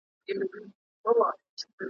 اوس دي بېغمه ګرځي ښاغلي `